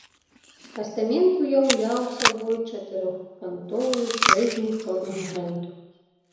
Пастамент уяўляў сабой чатырохкантовую прызму з чорнага граніту.